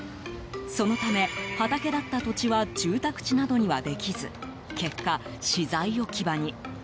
そのため、畑だった土地は住宅地などにはできず結果、資材置き場に。